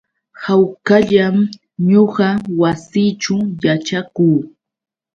Hawkallam ñuqa wasiićhu yaćhakuu.